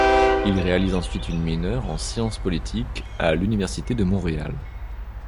Il réalise ensuite une mineure en sciences politiques à l'Université de Montréal.